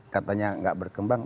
katanya gak berkembang